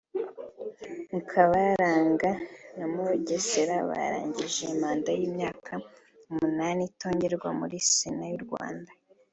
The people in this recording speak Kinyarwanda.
Mukabaranga na Mugesera barangije manda y’imyaka umunani itongerwa muri Sena y’u Rwanda